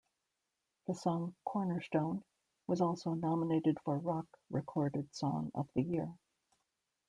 The song "Cornerstone" was also nominated for Rock Recorded Song of the Year.